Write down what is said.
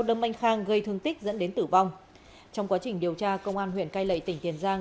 đâm anh khang gây thương tích dẫn đến tử vong trong quá trình điều tra công an huyện cai lệ tỉnh tiền giang